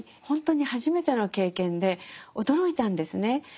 ほんとに初めての経験で驚いたんですね。